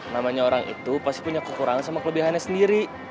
namanya orang itu pasti punya kekurangan sama kelebihannya sendiri